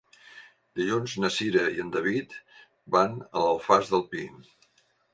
Dilluns na Cira i en David van a l'Alfàs del Pi.